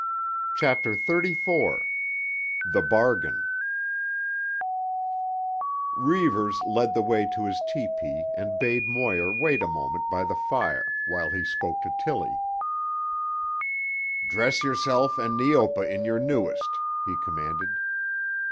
CHAPTER XXXIV—THE BARGAIN Reivers led the way to his tepee and bade Moir wait a moment by the fire, while he spoke to Tillie. "Dress yourself and Neopa in your newest," he commanded.